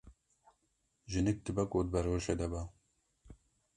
Jinik dibe ku di beroşê de be.